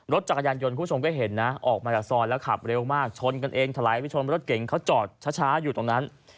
คุณผู้ชมก็เห็นนะออกมาจากซอยแล้วขับเร็วมากชนกันเองถลายไปชนรถเก่งเขาจอดช้าอยู่ตรงนั้น